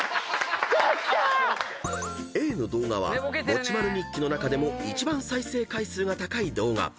［Ａの動画は『もちまる日記』の中でも一番再生回数が高い動画］